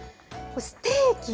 ステーキ。